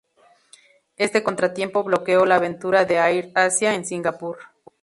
Este contratiempo bloqueó la aventura de Air Asia en Singapur.